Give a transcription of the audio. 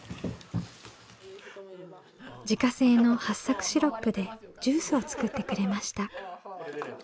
自家製のはっさくシロップでジュースを作ってくれました。